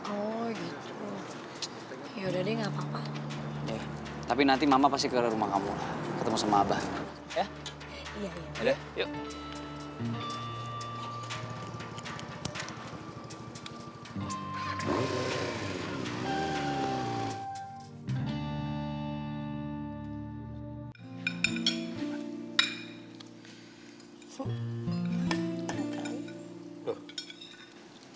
oh gitu ya udah deh nggak papa tapi nanti mama pasti ke rumah kamu ketemu sama abah ya